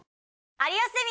『有吉ゼミ』。